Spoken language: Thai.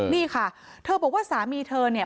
นี่ค่ะเธอบอกว่าสามีเธอเนี่ย